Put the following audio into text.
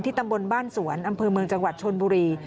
ตำบลบ้านสวนอำเภอเมืองจังหวัดชนบุรี